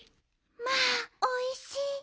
まあおいしい！